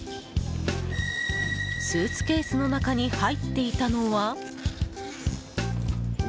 スーツケースの中に入っていたのは。